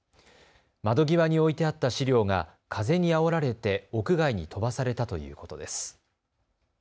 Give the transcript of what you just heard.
窓際に置いてあった資料が風にあおられて屋外に飛ばされたということです。